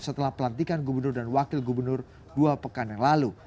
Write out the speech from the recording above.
setelah pelantikan gubernur dan wakil gubernur dua pekan yang lalu